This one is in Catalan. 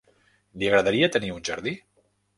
Li agradaria tenir un jardí?